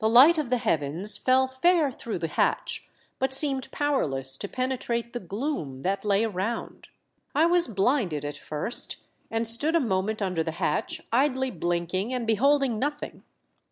light of the heavens fell fair through the hatch, but seemed powerless to penetrate the gloom that lay around. I was blinded at first, and stood a moment under the hatch idly blinking and beholding nothing.